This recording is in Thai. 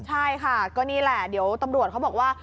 ใช่ค่ะก็นี่แหละเดี๋ยวตำรวจเขาบอกว่า